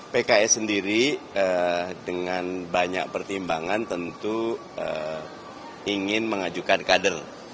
pks sendiri dengan banyak pertimbangan tentu ingin mengajukan kader